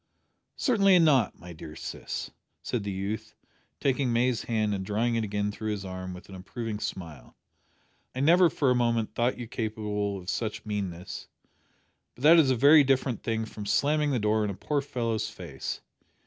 "Certainly not, my dear sis," said the youth, taking May's hand and drawing it again through his arm with an approving smile. "I never for a moment thought you capable of such meanness, but that is a very different thing from slamming the door in a poor fellow's face.